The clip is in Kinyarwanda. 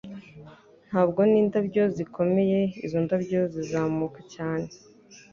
Ntabwo n'indabyo zikomeye izo ndabyo zizamuka cyane